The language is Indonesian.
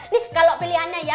nih kalau pilihannya ya